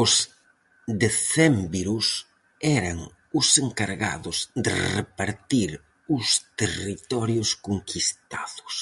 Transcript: Os decénviros eran os encargados de repartir os territorios conquistados.